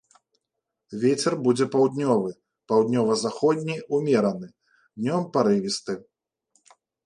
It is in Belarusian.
Вецер будзе паўднёвы, паўднёва-заходні ўмераны, днём парывісты.